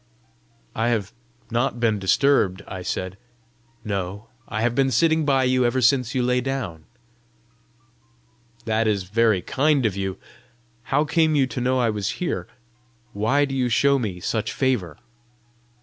"I have not been disturbed," I said. "No; I have been sitting by you ever since you lay down." "That is very kind of you! How came you to know I was here? Why do you show me such favour?"